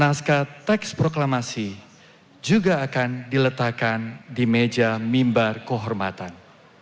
naskah teks proklamasi telah diletakkan di meja mimbar kehormatan